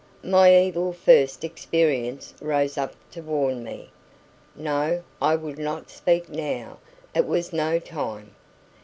My evil first experience rose up to warn me. No, I would not speak now; it was no time.